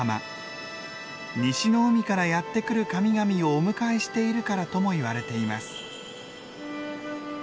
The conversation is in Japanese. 西の海からやって来る神々をお迎えしているからともいわれています。